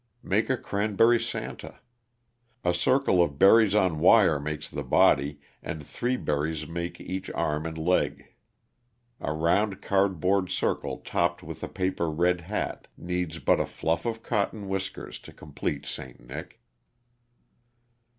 Make a cranberry Santa. A circle of berries on wire makes the body and three berries make each arm and leg. A round cardboard circle topped with a paper red hat needs but a fluff of cotton whiskers to complete Saint Nick.